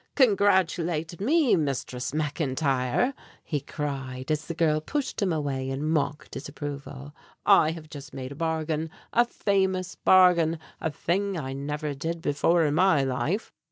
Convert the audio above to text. "Congratulate me, Mistress McIntyre," he cried, as the girl pushed him away in mock disapproval. "I have just made a bargain, a famous bargain, a thing I never did before in my life."